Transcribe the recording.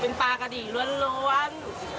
เป็นปลากะดีล้วน